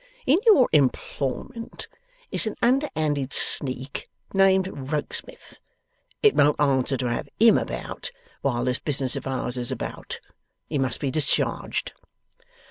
In your employment is an under handed sneak, named Rokesmith. It won't answer to have HIM about, while this business of ours is about. He must be discharged.